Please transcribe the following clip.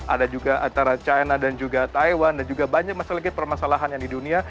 ada juga antara china dan juga taiwan dan juga banyak masalah yang di dunia